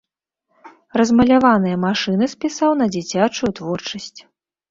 Размаляваныя машыны спісаў на дзіцячую творчасць.